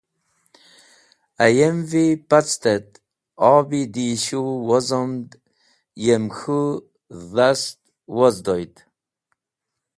Ayem’vi pact et ob-e dishu wozomd yem k̃hũ dhast wozdoyd.